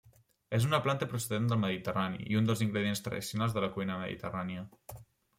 És una planta procedent del Mediterrani i un dels ingredients tradicionals de la cuina mediterrània.